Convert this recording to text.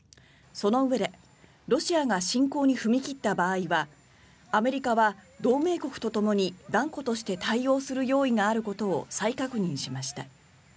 そのうえでロシアが侵攻に踏み切った場合はアメリカは同盟国とともに断固として対応する用意があることを再確認しました。